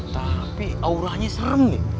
tapi auranya serem nih